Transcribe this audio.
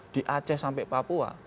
di aceh sampai papua